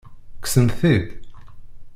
Kksen-t-id?